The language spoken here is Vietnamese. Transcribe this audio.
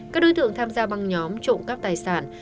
các đối tượng tham gia băng nhóm trộm cắp tài sản